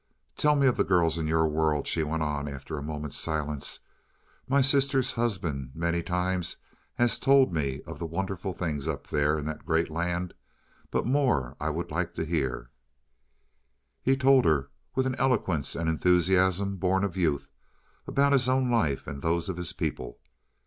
"Tell me of the girls in your world," she went on after a moment's silence. "My sister's husband many times he has told me of the wonderful things up there in that great land. But more I would like to hear." He told her, with an eloquence and enthusiasm born of youth, about his own life and those of his people.